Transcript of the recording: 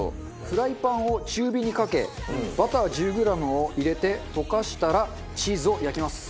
フライパンを中火にかけバター１０グラムを入れて溶かしたらチーズを焼きます。